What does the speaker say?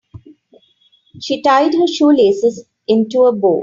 She tied her shoelaces into a bow.